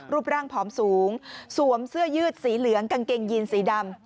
รูปร่างผอมสูงสวมเสื้อยืดสีเหลืองกางเกงยีนสีดำ